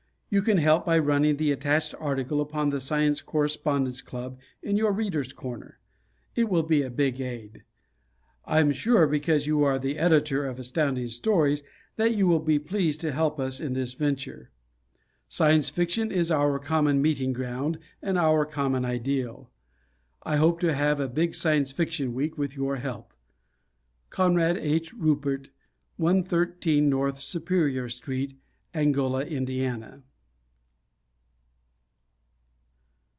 You can help by running the attached article upon the Science Correspondence Club in your "Readers' Corner." It will be a big aid. I am sure, because you are the Editor of Astounding Stories, that you will be pleased to help us in this venture. Science Fiction is our common meeting ground and our common ideal. I hope to have a Big Science Fiction Week with your help. Conrad H. Ruppert, 113 North Superior Street, Angola, Indiana.